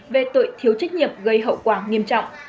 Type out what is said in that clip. về tội thiếu trách nhiệm gây hậu quả nghiêm trọng